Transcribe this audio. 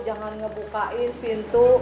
jangan ngebukain pintu